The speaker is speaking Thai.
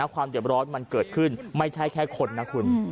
เด็บร้อนมันเกิดขึ้นไม่ใช่แค่คนนะคุณ